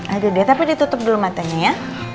aduh dia tapi ditutup dulu matanya ya